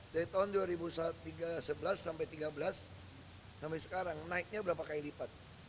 dari tahun dua ribu sebelas sampai tiga belas sampai sekarang naiknya berapa kali lipat